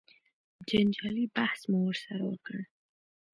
جنجالي بحث مو ورسره وکړ.